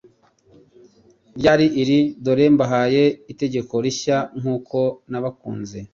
ryari iri: «Dore mbahaye itegeko rishya nk'uko nabakunze